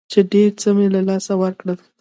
چې ډېر څه مې له لاسه ورکړل.